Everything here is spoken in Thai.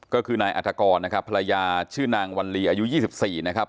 ก็คือนายอัฐกรนะครับภรรยาชื่อนางวันลีอายุ๒๔นะครับ